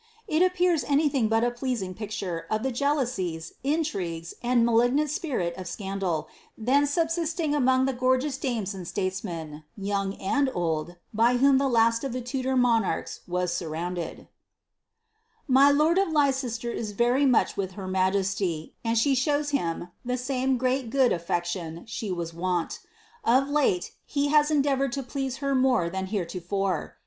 It presents anything but a pleasing pic tare of the jealousies, intrigues, and malignant spirit of scandal then nibsisting among the gorgeous dames and statesmen, young and old, by whom the last of the Tudor monarchs was surrounded :—^ My lord of Leicester is very much with her majesty, and she shows him the same great good affection she was wont ; of late, he has en deavoured to please her more than heretofore.